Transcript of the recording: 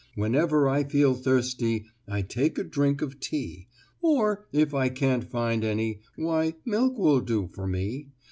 "Whenever I feel thirsty, I take a drink of tea, Or, if I can't find any, Why, milk will do for me.